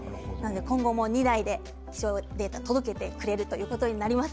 今後も２台で気象データを届けてくれるということになります。